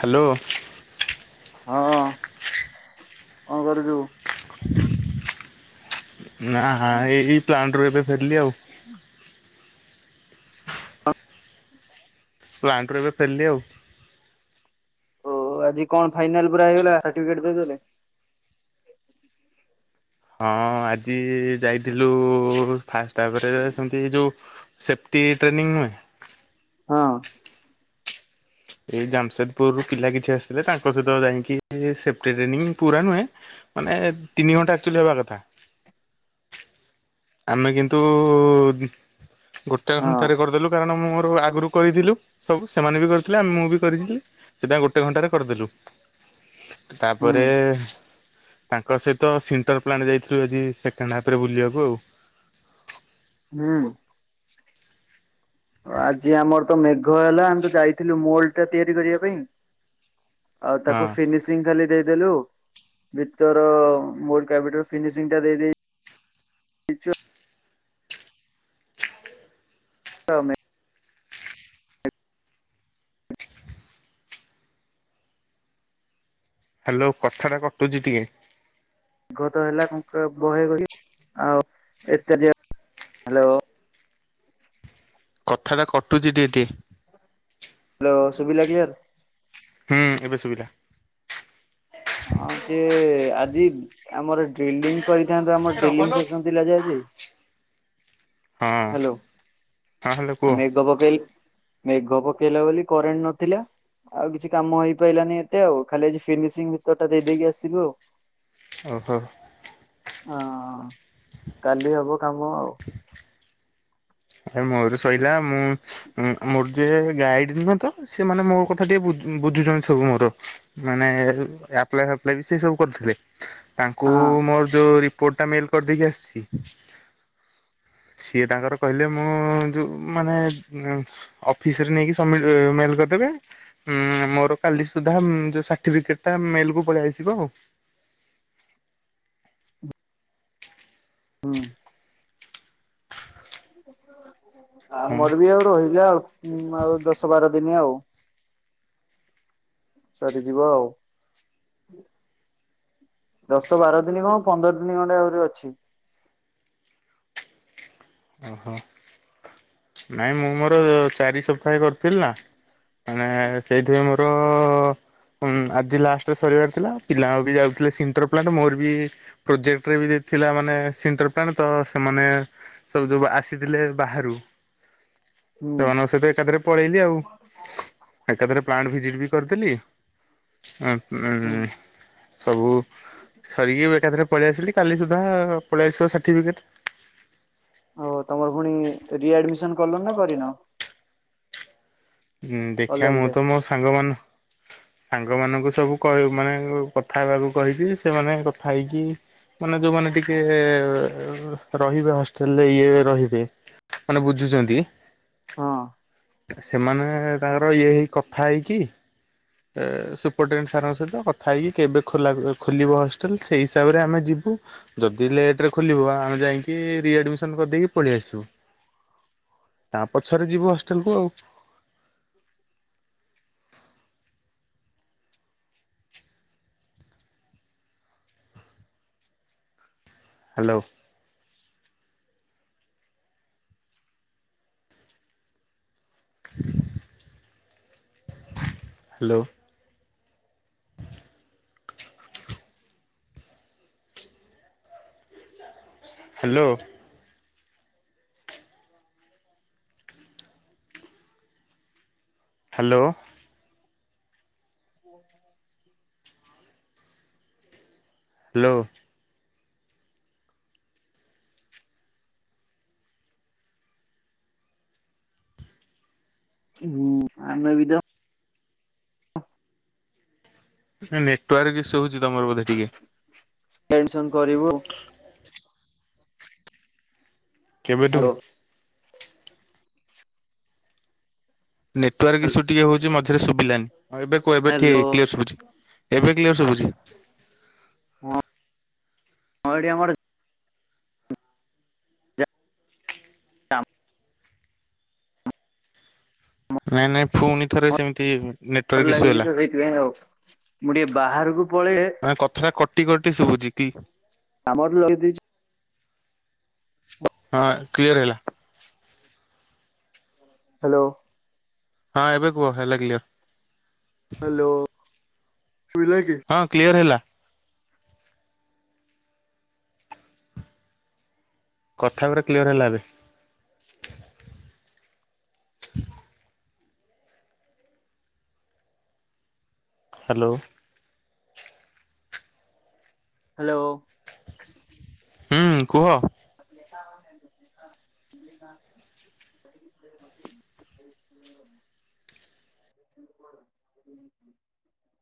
Hello. ହଁ କଣ କରୁଚୁ? ନା ଏଇ ପ୍ଲାଣ୍ଟ ରୁ ଏବେ ଫେରିଲି ଆଉ। [unintelligible] ପ୍ଲାଣ୍ଟ ରୁ ଏବେ ଫେରିଲି ଆଉ। ଓ ଆଜି କଣ ଫାଇନାଲ ପୁରା ହେଇଗଲା ସାର୍ଟିଫିକେଟ ଦେଇଦେଲେ। ହଁ ଆଜି ଯାଇଥିଲୁ ଫାଷ୍ଟ ହାପ୍ ରେ ସେମତି ଯୋଉ ସେଫ୍ଟି ଟ୍ରେନିଂ ନୁହେଁ ହଁ। ଏଇ ଜାମସେଦପୁର ରୁ ପିଲା କିଛି ଆସିଥିଲେ ତାଙ୍କ ସହିତ ଯାଇକି ସେପ୍ଟି ଟ୍ରେନିଂ ପୁରା ନୁହେଁ। ମାନେ ତିନି ଘଣ୍ଟା ଆକ୍ଚୁଲି ହବା କଥା ଆମେ କିନ୍ତୁ ଗୋଟେ ହଁ ଘଣ୍ଟାରେ କରିଦେଲୁ କାରଣ ମୋର ଆଗରୁ କରିଥିଲୁ ସବୁ ସେମାନେ ବି କରିଥିଲେ ଆ ମୁଁ ବି କରିଥିଲି ସେଟା ଗୋଟେ ଘଣ୍ଟାରେ କରିଦେଲୁ। ହୁଁ ତାପରେ ତାଙ୍କ ସହିତ ସିଣ୍ଟର ପ୍ଲାଟ ଯାଇଥିଲୁ ଆଜି ସେକେଣ୍ଡ ହାଫ ରେ ବୁଲିବାକୁ ଆଉ। ହୁଁ। ଆଜି ଆମର ତ ମେଘ ହେଲା ଆମେ ତ ଯାଇଥିଲୁ ମୋଲ ଟା ତିଆରି କରିବା ପାଇଁ। ଆଉ ତାକୁ ହଁ ଫିନିସ [unintelligible] ଖାଲି ଦେଇଦେଲୁ ଭିତର [unintelligible] ଫିନିସିଂ ଦେଇଦେଇ ପାଉ ନେଇଁ। ହ୍ୟାଲୋ କଥାଟା କଟୁଛି ଟିକେ। [unintelligible] ହା ଲୋ। କଥା ଟା କଟୁଛି ଟିଏ ଟିଏ। ହ୍ୟାଲୋ ସୁବିଲା କ୍ଲିୟର୍। ହୁଁ ଏବେ ସୁବିଲା। ହଁ ସିଏ ଆଜି ଆମର ଡ୍ରିଲିଂ କରିଥାନ୍ତୁ ହଁ ଆମର ଡେଲିଂ ହଁ ସେକ୍ସନ ଥିଲା ଯେ ଆଜି। ହାଲୋ ହ୍ୟାଲୋ ଆ କୁହ ମେଘ ପକେଇ ମେଘ ପକେଇଲା ବୋଲି କରେଣ୍ଟ ନଥିଲା। ଆଉ କିଛି କାମ ହେଇପାଇଲାନି ଏତେ ଆଉ ଖାଲି ଆ ଫିନିସିଂ ଭିତର ଟା ଦେଇଦେଇକି ଆସିଲୁ ଆଉ। ଓହୋ। ହଁ କାଲି ହବ କାମ ଆଉ। ଏ ମୋର ଶଇଲା ମୁଁ ଉଁ ମୋର ଯିଏ ଗାଇଡ ନୁହେଁ ତ ସେ ମାନେ ମୋ କଥା ଟିକେ ବୁଝୁଛନ୍ତି ସବୁ ମୋର। ମାନେ ଆପ୍ଲାଏ ଫାପ୍ଲାଏ ବି ସେ ସବୁ କରିୁଥିଲେ। ତାଙ୍କୁ ହଁ ମୋର ଯୋଉ ରିପୋର୍ଟ ଟା ମେଲ କରିଦେଇକି ଆସିଛି। ସିଏ ତାଙ୍କର କହିଲେ ମୁଁ ଯୋଉ ମାନେ ଅଫିସରେ ନେଇକି ସମ୍ ମେଲ କରିଦେବେ। ହୁଁ ମୋର କାଲି ସୁଦ୍ଧା ଯୋଉ ସାର୍ଟିଫିକେଟ ଟା ମେଲ କୁ ପଳେଇ ଆସିବ ଆଉ। ହୁଁ। ହଁ ଆମର ବି ଆଉ ରହିଲା ଆଉ ଆଉ ଦଶ ବାର ଦିନି ଆଉ। ସରିଯିବ ଆଉ। ଦଶ ବାର ଦିନ କଁ ପନ୍ଦର ଦିନି ଖଣ୍ଡେ ଆହୁରି ଅଛି। ନାଇଁ ମୁଁ ମୋର ଚାରି ସପ୍ତାହେ କରିଥିଲି ନା‌। ମାନେ ସେଇଥି ପାଇଁ ମୋର ହଁ ଆଜି ଲାଷ୍ଟରେ ସରିବାର ଥିଲା ପିଲା ବି ଯାଉଥିଲେ ସିଣ୍ଟୋର ପ୍ଲାଣ୍ଟ ମୋର ବି ପ୍ରୋଜେକ୍ଟରେ ବି ଦେଇଥିଲା ମାନେ ସିଣ୍ଟର ପ୍ଲାଣ୍ଟ ତ ସେମାନେ ସବୁ ଯବୁ ଆସିଥିଲେ ବାହାରୁ ହୁଁ ସେମାନଙ୍କ ସହିତ ଏକାଥରେ ପଳେଇଲି ଆଉ। ଏକାଥରେ ପ୍ଲାଣ୍ଟ ଭିଜିଟ୍ ବି କରିଥିଲି। ହୁଁ। ଉ ସବୁ ସରିକି ଏକାଥରେ ପଳେଇ ଆସିଲି। କାଲି ସୁଦ୍ଧା ପଳେଇଆସିବ ସାର୍ଟିଫିକେଟ୍। ଓହ ତମର ପୁଣି ରିଆଡମିସନୂ କଲଣି ନା କରିନି? ହଁ ଦେଖିବା ମୁଁ କଲେଜରେ? ତ ମୋ ସାଙ୍ଗ ମାନ୍ ସାଙ୍ଗ ମାନଙ୍କୁ ସବୁ କହି ମାନେ କଥା ହେବାକୁ କହିଛି ସେମାନେ ଥାଇକି ମାନେ ଯେଉଁମାନେ ଟିକେ ରହିବା ହଷ୍ଟେଲରେ ଇଏ ରହିବେ ମାନେ ବୁଝୁଛନ୍ତି। ହଁ ସେମାନେ ତାଙ୍କର ଇଏ ହେଇ କଥା ହେଇକି। ସୁପରଟେଣ୍ଡେଣ୍ଟ ସାରଙ୍କ ସହିତ କଥା ହେଇକି କେବେ ଖୋଲିବ ହଷ୍ଟେଲ୍ ସେହି ହିସାବରେ ଆମେ ଯିବୁ। ଯଦି ଲେଟ୍ରେ ଖୋଲିବ ଆମେ ଯାଇକି ରିଆଡମିସନ୍ କରିଦେଇକି ପଳେଇ ଆସିବୁ। ତା ପଛରେ ଯିବୁ ହଷ୍ଟେଲ କୁ ଆଉ। Hello. Hello. Hello. Hello. Hello. ହୁଁ ଆମେ ବିତ ନେଟୱାର୍କ ଇସୁ ହଉଛି ତମର ବୋଧେ ଟିକେ? ଟେନସନ କରିବ। କେବେଠୁ? ହ୍ୟାଲୋ ନେଟୱାର୍କ ଇସ୍ୟୁ ଟିକେ ହଉଛି ମଝିରେ ଶୁବିଲାନି ଏବେ ଏବେ ହ୍ୟାଲୋ କ୍ଲିୟର ଶୁବୁଛି ଏବେ କ୍ଲିୟର ଶୁଭୁଛି। ହଁ -ହଁ ଏଠି ଆମର ଆାମ ନାଇଁ ନାଇଁ ପୁଣି ଥରେ ସେମିତି ଭ ନେଟୱାର୍କ ଇସୁ ଲାଗିଛି ହେଲା। ତ ସେଇଥିପାଇଁ ଆଉ ମୁଁ ଟିକେ ବାହାରକୁ ପଳେ ନା କଥାଟା କଟି କଟି ଶୁଭୁଛି କି ଆମର ଲଗେଇ ଦେଇେଇଛୁ ହଁ କ୍ଲିୟର ହେଲା। ହ୍ୟାଲୋ। ହଁ ଏବେ କୁହ ହେ ଲାଗିଲି ହ୍ୟାଲୋ ସୁଭିଲା କି ହଁ କ୍ଲିୟର୍ ହେଲା। କଥା ଗୁରା କ୍ଲିୟର୍ ହେଲା ଏବେ। ହ୍ୟାଲୋ। ହ୍ୟାଲୋ। ହୁଁ କୁହ ହ